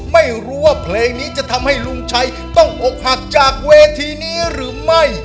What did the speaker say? ไม่รู้ว่าเพลงนี้จะทำให้ลุงชัยต้องอกหักจากเวทีนี้หรือไม่